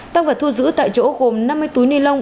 tăng vật thu giữ tại chỗ gồm năm mươi túi ni lông